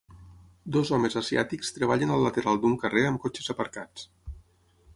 Dos homes asiàtics treballen al lateral d'un carrer amb cotxes aparcats.